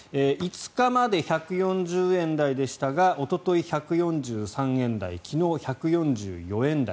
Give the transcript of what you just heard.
５日まで１４０円台でしたがおととい、１４３円台昨日、１４４円台。